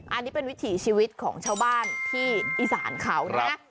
อันนี้เป็นวิถีชีวิตของชาวบ้านที่อีสานเขานะ